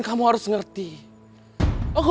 mau jahat misal di situ